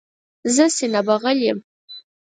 زه سینه بغل یم.